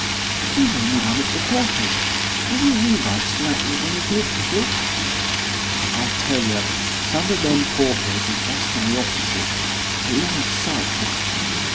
'He's only one of the paupers, has he any right to act as one of the officials?' 'I tell yer some of them paupers is wuss than the orficers, a long sight wuss!